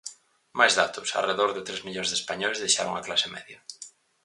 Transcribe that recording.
Máis datos: arredor de tres millóns de españois deixaron a clase media.